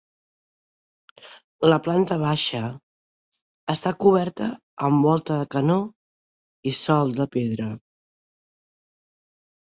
La planta baixa està coberta amb volta de canó i sòl de pedra.